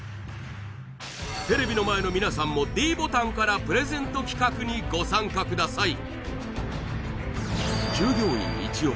テレビの前の皆さんもｄボタンからプレゼント企画にご参加ください